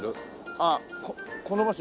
ああこの場所？